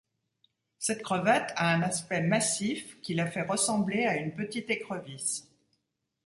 Cette crevette a un aspect massif qui la fait ressembler à une petite écrevisse.